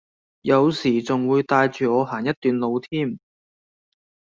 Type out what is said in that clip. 有時仲會帶住我行一段路添